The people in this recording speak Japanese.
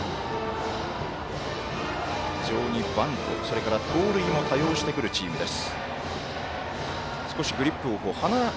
非常にバント、それから盗塁も多用してくるチームです。